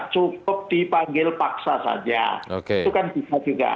cukup dipanggil paksa saja itu kan bisa juga